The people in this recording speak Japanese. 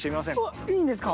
わっいいんですか。